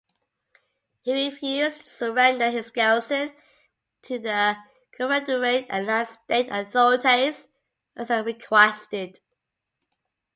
He refused to surrender his garrison to the Confederate-aligned state authorities as they requested.